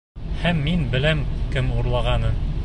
Һәм мин беләм кем урлағанын.